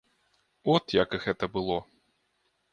От як гэта было.